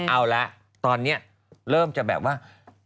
เอาละตอนนี้เริ่มจะแบบว่า